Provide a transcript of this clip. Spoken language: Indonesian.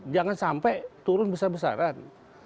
jangan sampai turun besar besaran